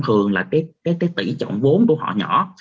thường là cái tỷ trọng vốn của họ nhỏ